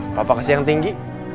apa apa kasih yang tinggi